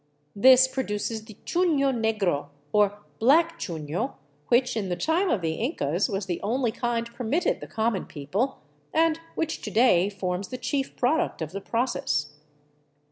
This produces the chuno negro, or black chuno, which in the time of the Incas was the only kind permitted the common people, and which to day forms the chief product of the process.